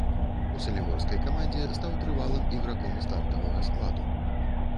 У салігорскай камандзе стаў трывалым іграком стартавага складу.